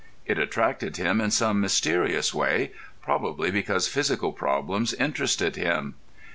It attracted him in some mysterious way, probably because physical problems interested him.